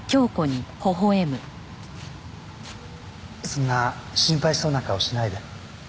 そんな心配そうな顔しないで。